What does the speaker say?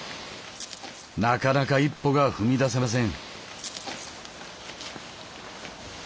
なかなか一歩が踏み出せません。